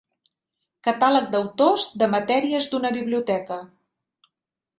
Catàleg d'autors, de matèries, d'una biblioteca.